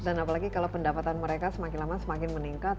dan apalagi kalau pendapatan mereka semakin lama semakin meningkat